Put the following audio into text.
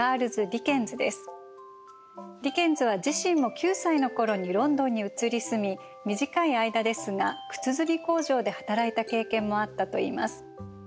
ディケンズは自身も９歳の頃にロンドンに移り住み短い間ですが靴墨工場で働いた経験もあったといいます。